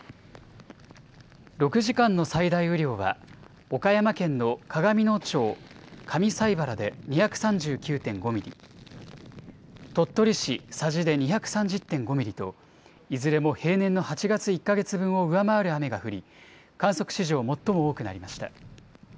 ６時間の最大雨量は岡山県の鏡野町上齋原で２３９．５ミリ、鳥取市佐治で２３０．５ミリと、いずれも平年の８月１か月分を上回る雨が降り、観測史上最も多くなりました。